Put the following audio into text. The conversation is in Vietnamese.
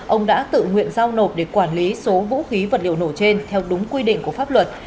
ông đã tự nguyện giao nộp để quản lý số vũ khí vật liệu nổ trên theo đúng quy định của pháp luật